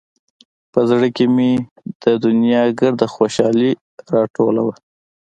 په زړه کښې مې د دونيا ګرده خوشالي راټوله وه.